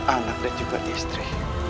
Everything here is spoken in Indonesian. anak dan juga istri